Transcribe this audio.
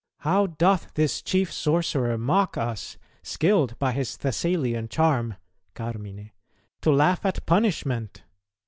How doth this chief sorcerer mock us, skilled by his Thessalian charm (carmine) to laugh at punishment."